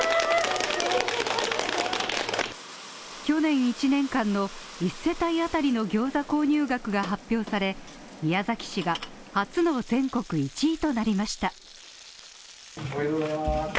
去年１年間の一世帯当たりのギョーザ購入額が発表され、宮崎市が初の全国１位となりました。